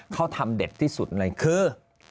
เขาทำเด็ดที่สุดเลยคือ